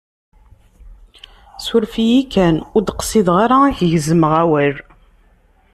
Suref-iyi kan, ur d-qsideɣ ara k-gezmeɣ awal.